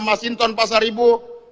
mas hinton pasar ibu